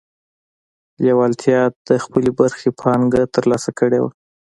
لېوالتیا د خپلې برخې پانګه ترلاسه کړې وه